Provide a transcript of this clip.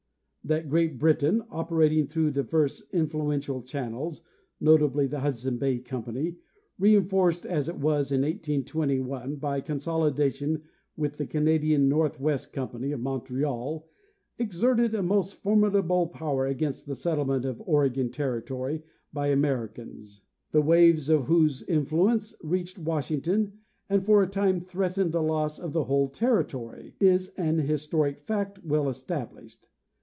That Great Britain, operating through divers influential chan nels, notably the Hudson Bay company, reénforced as it was in 1821 by consolidation with the Canadian Northwest company of Montreal, exerted a most formidable power against the settle ment of Oregon territory by Americans, and the waves of whose influence reached Washington and for a time threatened the loss of the whole territory, is an historic fact well established.